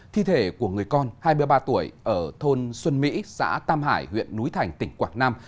thi thể của người con hai mươi ba tuổi ở thôn xuân mỹ xã tam hải huyện núi thành tỉnh quảng nam